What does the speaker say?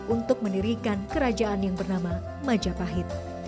untuk mendirikan kerajaan yang bernama majapahit